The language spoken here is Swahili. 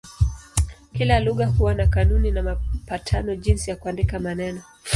Kila lugha huwa na kanuni na mapatano jinsi ya kuandika maneno.